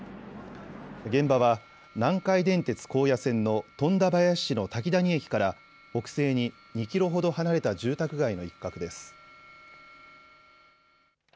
現場は南海電鉄高野線の富田林市の滝谷駅から北西に２キロほど離れた住宅街の一角です。